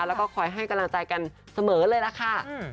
แล้วก็คอยให้กำลังใจกันเสมอเลยล่ะค่ะ